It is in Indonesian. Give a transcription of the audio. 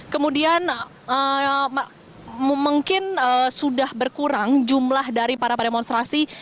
kemudian mungkin sudah berkurang jumlah dari para perdemonstrasi